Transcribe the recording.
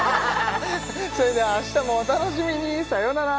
それではあしたもお楽しみにさよなら